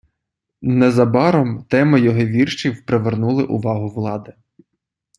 Незабаром теми його віршів привернули увагу влади.